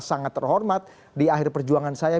sangat terhormat di akhir perjuangan saya